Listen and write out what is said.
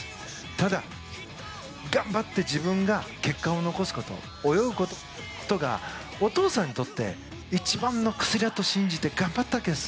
ただ、頑張って自分が結果を残すこと、泳ぐことがお父さんにとって一番の薬だと信じて頑張ったんです。